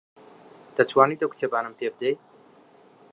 دەتوانیت ئەو کتێبانەم پێ بدەیت؟